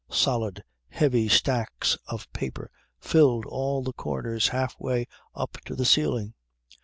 Solid, heavy stacks of paper filled all the corners half way up to the ceiling.